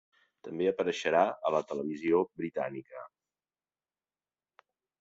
També apareixerà a la televisió britànica.